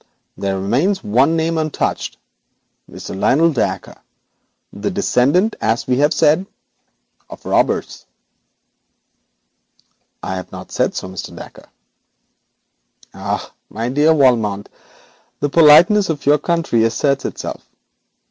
There remains one name untouched, Mr Lionel Dacre, the descendant, as I have said, of robbers.' 'I have not said so, Mr. Dacre.' 'Ah! my dear Valmont, the politeness of your country asserts itself.